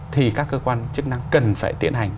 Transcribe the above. thì các cơ quan chức năng cần phải tiến hành